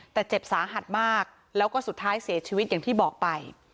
แต่เจ็บสาหัสมากแล้วก็สุดท้ายเสียชีวิตอย่างที่บอกไป